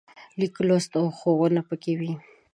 لیک لوست او ښوونه پکې وي.